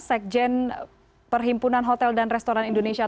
sekjen perhimpunan hotel dan restoran indonesia